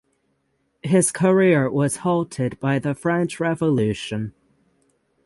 His career was halted by the French revolution.